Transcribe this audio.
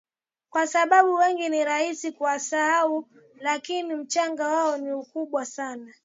Kwa sababu wengi ni rahisi kuwasahau lakini mchango wao ni mkubwa sana